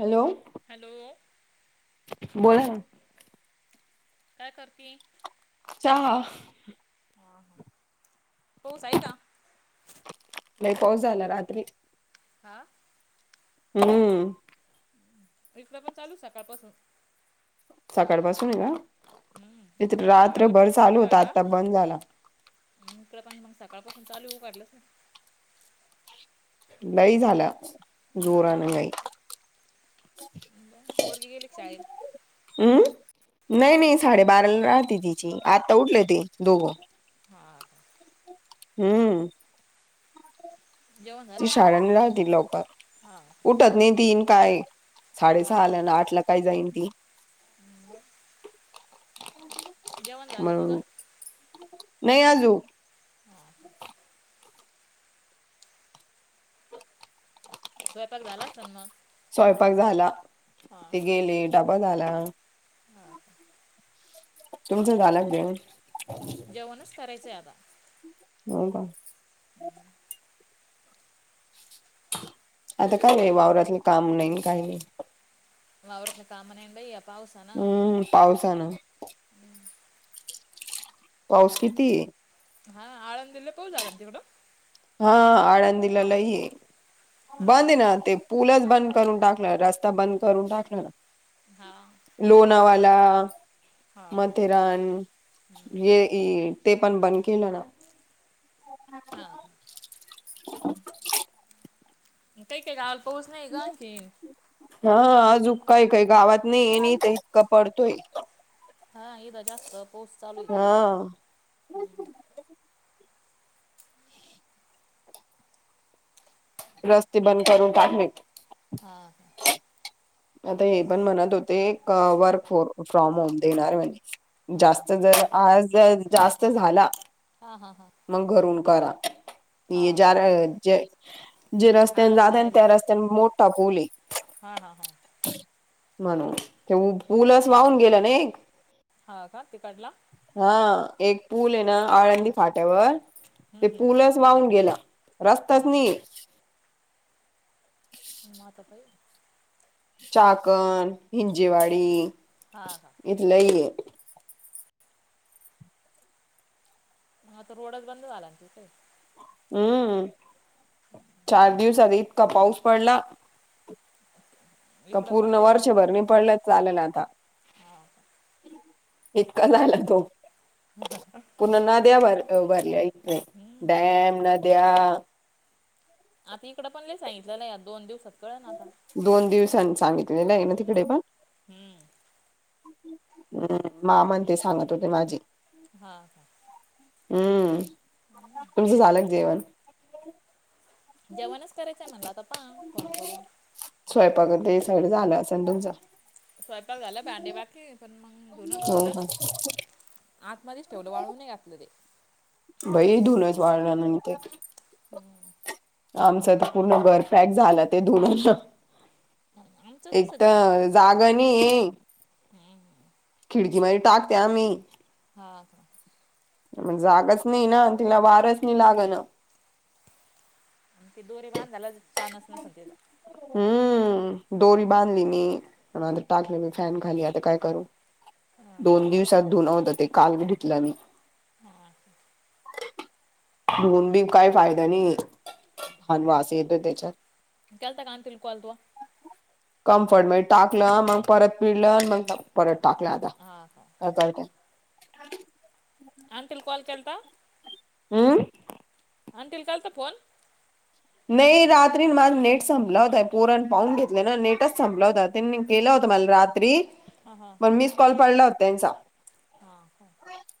Hello! Hello! बोला. काय करती. चहा. ह ह पाऊस आहे का. लई पाऊस झाला रात्री हां हम्म इकड पण चालू सकाळपासून सकाळ पासून आहे, हम्म इथे रात्री झाला पण रात्रभर चालू होता आता बंद झाला. ह इकडे पण मग सकाळपासून चालू ये उघडल च नाही लई झाला हा. जोराने लई. पोरगी गेली शाळेल. हम्म नाही नाही साडेबाराला राहते तिची आत्ता उठले ते दोघं हा. हम्म जेवण झालं ती का तुझं? शाळांनी राहते लवकरठ हा. टत नाही ती काय साडेसहा हा. ला ना आठ ला काय जाईन ती. [unintelligible] जेवण झालं तुझं? म्हणून नाही आजू हा ह. स्वयंपाक झाला असेल मग? स्वयंपाक झाला, हा ते गेले, डबा झाला. हां ह. तुमचं झालं देन. जेवणच करायचं आता. हो का. हम्म. आता काय नाही वावरातलं काम नाही काही नाही. वावरातले काम नाही ये बाईया पावसा ना पावसान. पाऊस किती? हा आळंदिला लई पाऊस झाला तिकडं हा आळंदला लय ये हा. बंद आहे ना ते पूलच बंद करून टाकलं रस्ता बंद करून टाकला ना, हा लोणावाला, हा हो. मथेरान ये. अ ते पण बंद केलं ना, हा का. [unintelligible] काही काही राहल पोहच नाही का आणखी हा अजू काय काही गावात नाही ये न तर इतका पडतोय. हा इथे जास्त पाऊस चालू. आहे [unintelligible] रस्ते बंद करून टाकले. हा हा. आता हे पण म्हणत होते वर्क फॉर फ्रॉम होम देणार म्हणजे हा जास्त जर आज जास्त झाला हा हा हा. मगं घरून कारा. हा ज्या हा ज जे रस्त्याने हा जात जायला त्या रस्त्याने मोठा पुल ये हा हा हा. म्हणून ते पुलच वाहून गेलं ना एक हा का तिकडला. हा एक पूल आहे ना आळंदी फाट्यावर ते हम्म हम्म पूलच वाहून गेला हा रस्ताच नाही ये. म आता बाई. चाकण हिंजेवाडी हा हा इथ लही ये म आता रोडच बंद झाला की काय. हम्म चार दिवसात इतका पाऊस पडला का इकडं पण पूर्ण लईन बाई वर्षभर मग नि पडलं चालेलं आता. हा का इतका झालं तो. [unintelligible] पुर्ण नद्या भर भरल्या इथे हम्म डॅम नद्या आता इकं पण ल सांगितलं या दोन दिवसात कळेन आता. दोन दिवसां सांगितलेले ये ना तिकडे पण. हम्म. हम्म मामान ते सांगत होते माझे. हा हा. हम्म तुमचं झालं का जेवण. जेवणच करायचंय मला आता पहा फोन करून. स्वयंपाक ते साईड झाला असेन तुमचा. स्वयंपाक झालं भांडे बाकी पण मग धुन हो धुतलं. का आतमध्येच ठेवलं वाळूने घातलं ते. बाई धुऊनच वाढलं नाही ना ते. [unintelligible] आमचं तर पूर्ण गरफॅक झाला ते धुरून आमचं एक तसंच तर जागा नाहीये. हम्म हम्म. खिडकीमध्ये टाकते आम्ही. हा. मग जागच नाही ना तिला वारच नाही लाग ना. आणि त ते दोरीे बांधाला चानस नसल तिथ. हम्म दोरी बांधली मी टाकलं मी फॅन खाली आता काय करू. दोन दिवसात धुना होता ते काल बी घेतलं मी. हा होन बी काही फायदा नाही आणि वास येतोय त्याचा. [unintelligible] कम्फर्ट मध्ये टाकलं मग परत पिडलं आणि मग परत टाकलं आता. हा, हा. हो [unintelligible] आंटीला कॉल केलता. हम्म. आणतील कलता फोन. नाही रात्री मझ नेट संपलावत पोरण पाहून घेतले ना नेटच संपल होत त्यांनी केला होता मला रात्री. हा हां. मण म मिस कॉल पडला होता त्यांचा. हा हा.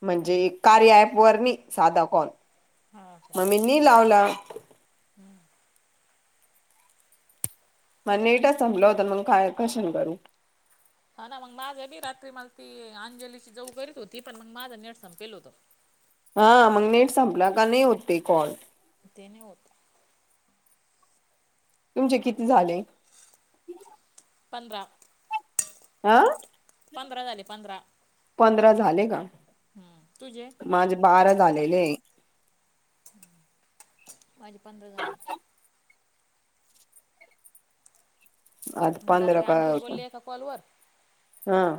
म्हणजे कार्य ॲपवर नाही साधा कॉल. हा का. मग मी नि लाव-लाव. हम्म. म नेटच संपला होता, मग काय कशान करू. हा ना मग माझा, मी रात्री मला ती अंजलीची जाऊ करीत होती. पण मग माझा नेट संपेल होता. हा मग नेट संपला का नाही होत ते कॉल. ते नाही होत. तुमचे किती झाले. पंधरा. आ. पंधरा झाले पंधरा. पंधरा झाले का. हम्म तुझे? माझे बारा झाले ग. माझी पंधरा झालेत. आज मी पंधरा रात्री का अँटीला बोलले एका कॉलवरर. हा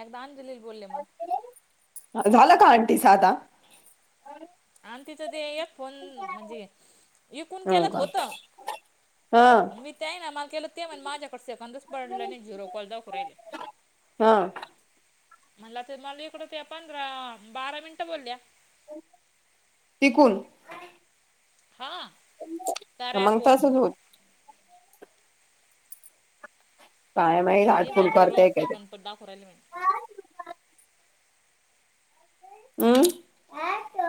एकदा अंजलीला बोलले मग. झाला का आंटीचा आता. आम तिथं ते एक फोन म्हणजे इ कोण हो केलात तर का होतं. हा मी ते ना, मला केलं ते म्हण माझ्याकडे सक पडलंने झिरोकॉल दाखवू राहिल. हा म्हणला ते मला इकडं त्या पंधरा बारा मिनिटं बोलल्या. टिकून. हा. मग तसच होत. काय माहीत म्हनीदा हाटफुल झिरो करते काय ते सेकंद पन दाखवू राहिले माझे. हम्.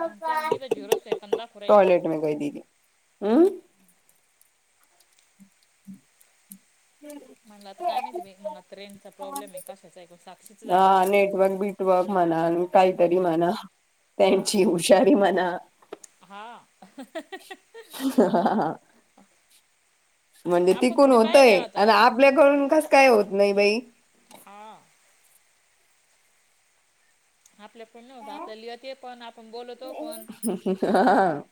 म्हणत्या म्हनी तर झिरो सेकंदा पुुरयले. का द [unintelligible] अं, मंग आता काय माहिती, मला आता रेंजचा प्रॉब्लेम आहे. कशाचा आहेपण साक्षीच झाल का हा नाही बघ. [inaudible] म्हणा, काहीतरी म्हणा, हा त्यांची हुशारी म्हणा. हा. ह म्हणजे आपण तिकण थोडी होतंय पाहिल्या आता आणि आप आपल्याकडून कसं काय होत नाही बाई. हा. आपल्याकडून नव्हत, आपल्याला येते पण, आपण बोलवतो पण हा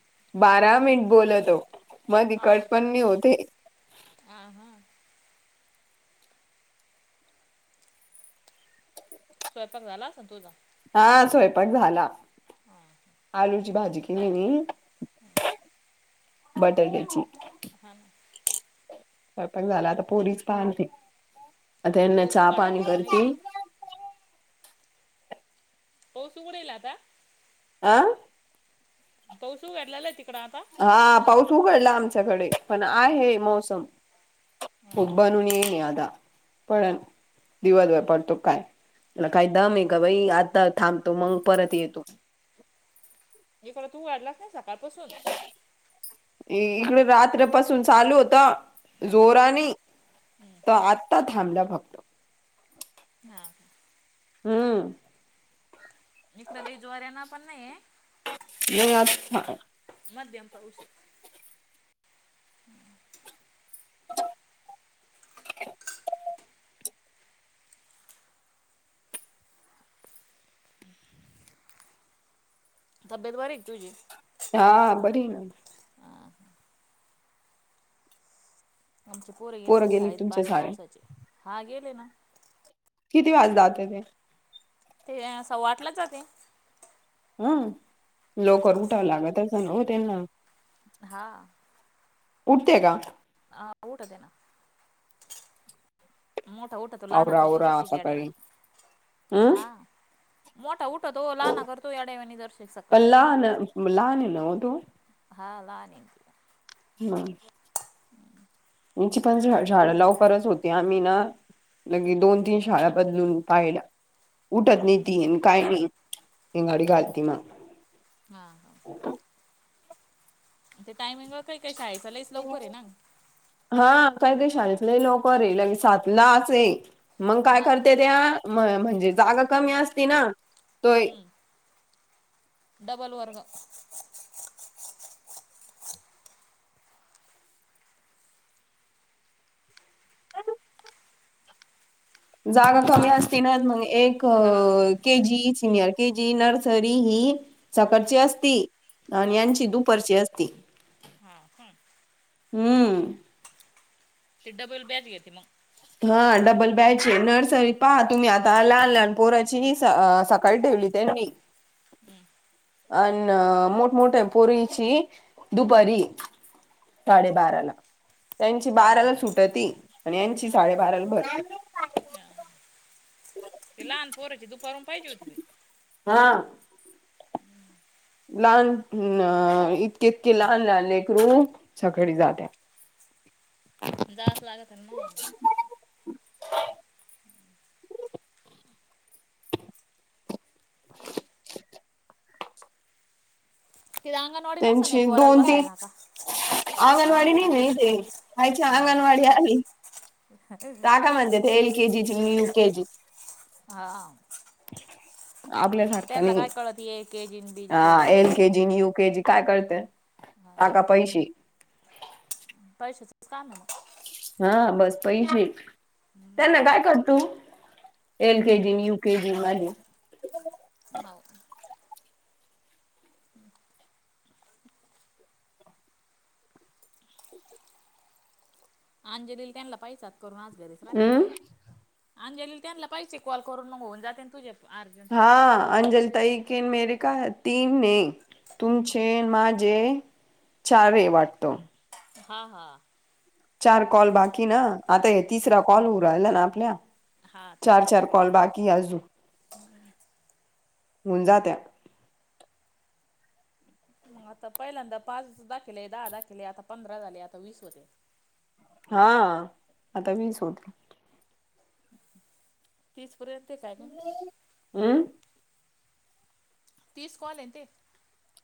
बारा मिनिट बोललो, मधी कट पण नाही होते. आ हा. स्वयंपाक झाला असणं तुझा हा स्वयंपाक झाला हा आलूची भाजी केली मी हम्म बटर घ्यायची. हहां. स्वयपाक झाला, आता पोरीच पाहान ते. आता यांना पाऊस उघाडत चापानी तिकडं नाही कंरती पाऊस उघडीला आता. आं पाऊस उघडलेलाय तिकडं आता हा पाऊस उघडला आमच्याकडे पण आहे मोसम खूप हा भरून येईले आता दिवसभर पडतो का काय त्याला काय दम इक आहे का बाई आता थांबतो मंग परत येतो. इकडं तू वाढलास नाय सकाळपासून इकड रात्र्य पासून चालू होता. जोरानी तो आता थांबला फक्त हा का हूं इकड लय जोऱ्यानं पण नाहीये. नय आत मध्यम पाऊस ये. तब्येत बरी हाय का तुझी हा बरी य ना आ हं आमचे पोर गेले ब पोरं गेली शाळेत तुमचे पान्या सारे पावसाचे हा गेले ना. किती वाज दावते ते ते सव्वा आठलाच जाते. हं हा लवकर उठावं लागत असन ना हो त्यांना हा उठते का? ह उठते ना मोठा उठातो लहाना आवरा करतो आवरा जराशीक सकाळी येड्यावानी हं हा मोठा उठतो लहाना करतो येड्यावनी जराशी पण सकाळी लहान लहान आहे ना हो तो हा लहान ये तो. हा. चिकनची झाडं लवकरच होती आम्ही ना लगी दोन तीन शाळा बदलून पाहिल्या उठत नाही तीन काय नाय हींगाडी घालती मा हा हा ते टायमिंगवर कायी कायी शाळेचा लईचं लवकर आहे ना हा काहीतरी शाळेत लय लवकर ये लगे सातलाच ये मंग काय हा करत्या त्या म्ह म्हणजे जागा कमी असती ना तो हम्म डबल वर्ग. जागा कमी असती ना मंग एक हा K G senior K G nursery हि हा सकाळची असती. आणि हा हा यांची दुपरची असती. हा काय हम्म ती डबल बॅच घेते मग. हा डबल बॅचं ये नर्सरी पहा तुम्ही आता लहान लहान पोराची हीं हीं स सकाळी ठेवली त्यांनी अन मोठमोठ्या पोरीची दुपारी साडेबारा ला त्यांची बाराला सुटती आणि यांची हा साडेबाराला भरती हा ते लहान पोराची दुपारून पाहिजे होती बाई हा. लहानं हम्म इतके इतके लहान लहानलेकरू सकाळी जाते. जास लागत ना. ते अंगवाडी नसल नसल य त्यांची पोरल दोन तीन बसयला का? हा अंगणवाडी नाही ना इथे कायच्या हा का अंगणवाडी आली. काका म्हणते [inaudible] एल के जी जुनिअर के जी हा आपल्यासारखं त्याला नाही काय कळते एक के जी आणि B L K G. K G you के जी काय कळ ते हा टाका पैसे पैशाच काम आहे. हा ना बस पैशे. त्यांना काय कळत ओ एल के जी न यू के जी [unintelligible] हा. अंजलील त्यांना पैसात करून आणलेले [unintelligible] हम्म अंजलीला त्यांना पाहिजे कॉल करून मग होऊन जाते तुझ्या. हा अंजल ताई के मेर का तीन है. तुमचे माझे चारये वाटत. हां हां. चार कॉल बाकी ना आता हे तिसरा कॉल होऊ राहिला ना आपला. हा चार तिसरा चार कॉल बाद बाकी आजू हून जात्या. मंग आता पहिल्यांदा पाच दाखवीले दहा दाखकीले आता पंधरा झाले आता वीस होतिल हा आता मीच होत. तीसपर्यंतचं हाय न हं तीस कॉल हे ना ते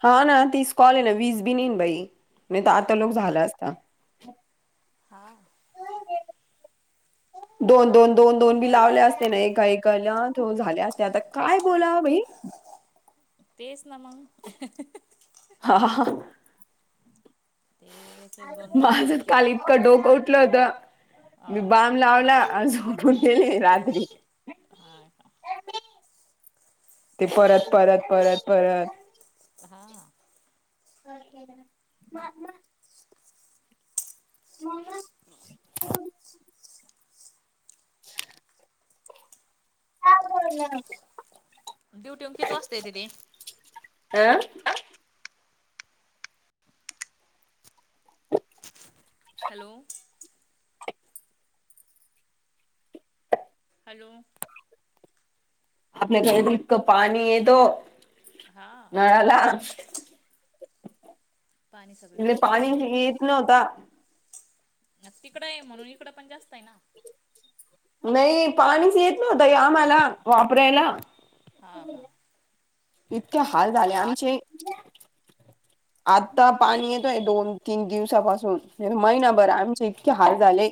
हा ना तीस कॉल ना वीज बी नय नी बाई नायत आता हा लोकं मग झाला असता. हा दोन-दोन. दोन दोन बी लावले असते ना एका एकाला झाल्या असते आता काय बोला बाई. तेस ना मग हा हा ह‌. ते एक एक दोन दोन वेळेस ते इतक डोकं उठलं होत हा मी का बाम लावला आणि झोपून गेले रात्री. हा का? ते परत, परत, परत, परत. हा [unintelligible] [unintelligible] [unintelligible] [unintelligible] आं. हॅलो! हॅलो! आपल्याकडे इतकं पाणी येतो हा नळाला पाणी लय सगळीकडे चालू पाणी आहे ना येईत नव्हता तिकडय म्हणून इकडं पण जास्त आहे ना नाई पाणीच येत नव्हतं आम्हाला वापरायला. हा हा. इतके हाल झाले आमचे [inaudible] आता पाणी येतोय दोन तीन दिवसापासून नाय त महिनाभर आमचे इतके हाल झाले.